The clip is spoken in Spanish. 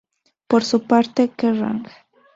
Por su parte, "Kerrang!